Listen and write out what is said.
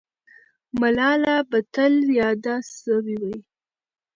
ملاله به تل یاده سوې وي.